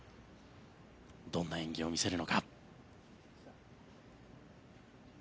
どんな演技を見せるのか。